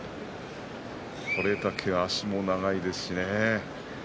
これだけ足も長いですしね。